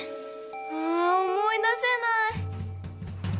あ思い出せない！